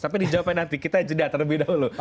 tapi dijawabkan nanti kita jeda terlebih dahulu